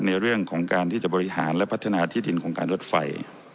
ในเรื่องของการที่จะบริหารและพัฒนาที่ดินของการรถไฟ